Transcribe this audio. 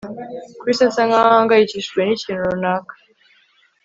Chris asa nkaho ahangayikishijwe nikintu runaka